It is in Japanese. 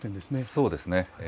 そうですね。